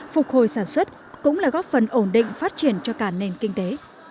phục hồi sản xuất cũng là góp phần ổn định phát triển cho cả nền kinh tế